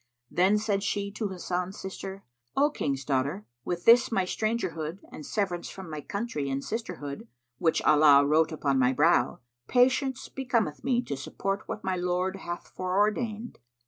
Then said she to Hasan's sister, "O King's daughter, with this my strangerhood and severance from my country and sisterhood which Allah wrote upon my brow, patience becometh me to support what my Lord hath foreordained."